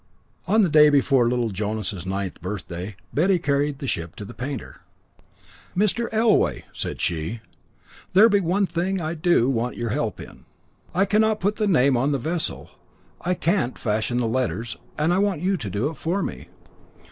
On the day before little Jonas's ninth birthday, Betty carried the ship to the painter. "Mr. Elway," said she, "there be one thing I do want your help in. I cannot put the name on the vessel. I can't fashion the letters, and I want you to do it for me."